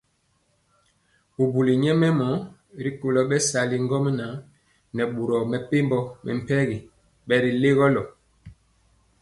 Bubuli nyɛmemɔ rikolo bɛsali ŋgomnaŋ nɛ boro mepempɔ mɛmpegi bɛlegolɔ.